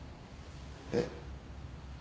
えっ？